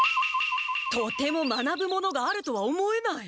とても学ぶものがあるとは思えない。